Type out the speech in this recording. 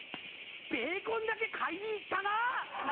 ベーコンだけ買いに行ったな！